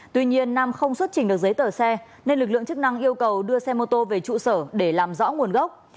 tuy nhiên nam không xuất trình được giấy tờ xe nên lực lượng chức năng yêu cầu đưa xe mô tô về trụ sở để làm rõ nguồn gốc